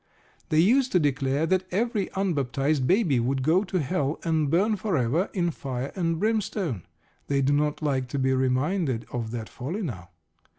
They used to declare that every unbaptised baby would go to Hell and burn for ever in fire and brimstone. They do not like to be reminded of that folly now.